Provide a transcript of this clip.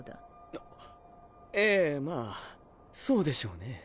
あええまあそうでしょうね。